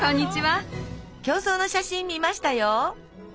競走の写真見ましたよ。